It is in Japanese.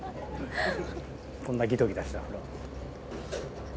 こんなギトギトしたお風呂。